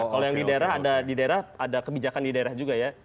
kalau yang di daerah ada kebijakan di daerah juga ya